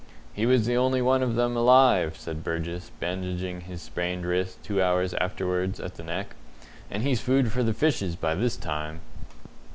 "He was the only one of 'em alive," said Burgess, bandaging his sprained wrist two hours afterwards at the Neck, "and he's food for the fishes by this time!"